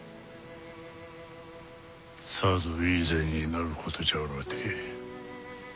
さぞいい銭になることじゃろうて。